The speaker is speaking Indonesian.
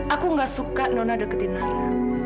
aku gak suka nona deketin hara